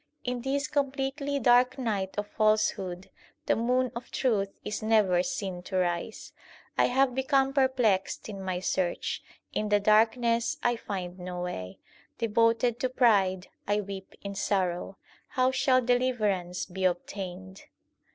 In this completely dark night of falsehood the moon of truth is never seen to rise. I have become perplexed in my search ; In the darkness I find no way. Devoted to pride, I weep in sorrow ; How shall deliverance be obtained